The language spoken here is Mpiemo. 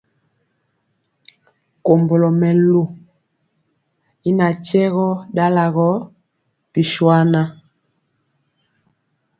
Kombolo mɛlu y ŋatyegɔ dalagɔ bishuaŋa.